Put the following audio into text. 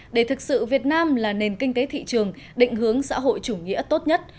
để thực sự việt nam là nền kinh tế thị trường định hướng xã hội chủ nghĩa tốt nhất